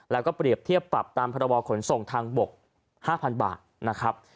แล้วก็เปรียบเทียบปรับตามพรบขนส่งทางบก๕๐๐บาทนะครับ